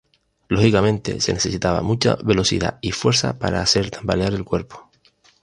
Lógicamente se necesitaba mucha velocidad y fuerza para poder hacer tambalear el cuerpo.